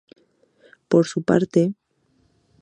Por su parte, St.